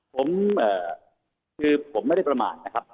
ผมคือผมไม่ได้ประมาทนะครับ